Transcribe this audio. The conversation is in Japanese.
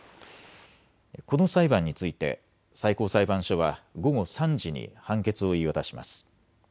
この裁判について最高裁判所は午後３時に判決を言い渡します。